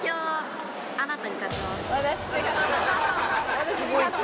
私に勝つ？